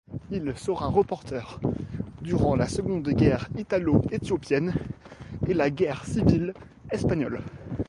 Il sera reporter durant la Seconde guerre italo-éthiopienne et la guerre civile espagnole.